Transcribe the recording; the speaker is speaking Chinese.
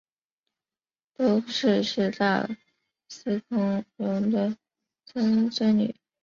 窦氏是大司空窦融的曾孙女。